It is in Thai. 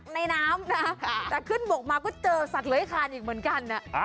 ในน้ำนะแต่ขึ้นบกมาก็เจอสัตว์เลื้อยคานอีกเหมือนกัน